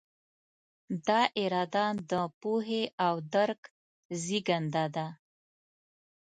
دا اراده د پوهې او درک زېږنده ده.